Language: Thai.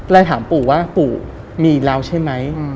แล้วถามปู่ว่าปู่มีเหล่าใช่ไหม